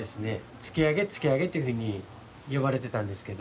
「つきあげ」「つきあげ」というふうによばれてたんですけど。